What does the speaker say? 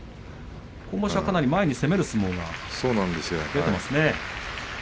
今場所は、かなり前に攻める相撲が出ていますね。